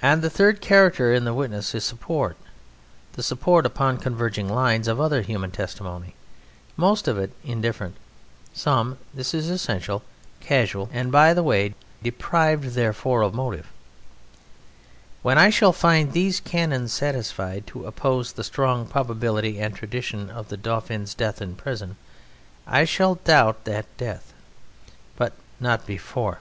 And the third character in the witness is support: the support upon converging lines of other human testimony, most of it indifferent, some (this is essential) casual and by the way deprived therefore of motive. When I shall find these canons satisfied to oppose the strong probability and tradition of the Dauphin's death in prison I shall doubt that death, but not before.